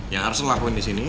yang harus lo lakuin di sini